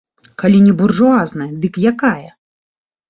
Калі не буржуазная, дык якая?